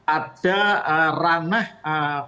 ada ranah etik